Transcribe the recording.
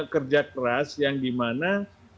kerja keras yang dimana